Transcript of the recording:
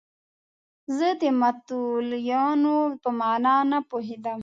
زه د متولیانو په معنی نه پوهېدم.